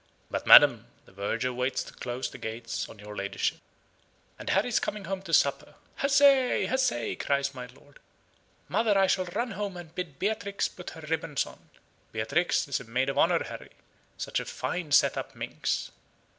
But, madam, the verger waits to close the gates on your ladyship." "And Harry's coming home to supper. Huzzay! huzzay!" cries my lord. "Mother, I shall run home and bid Beatrix put her ribbons on. Beatrix is a maid of honor, Harry. Such a fine set up minx!"